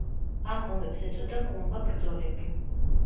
ამ ომებს ეწოდა კუმბა ბრძოლები.